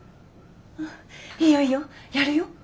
うんいいよいいよやるよ。